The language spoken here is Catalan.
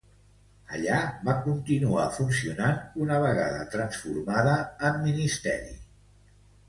Allà va continuar funcionant una vegada transformada en Ministeri.